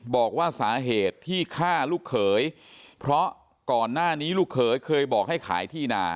บอกว่าสาเหตุที่ฆ่าลูกเขยเพราะก่อนหน้านี้ลูกเขยเคยบอกให้ขายที่นา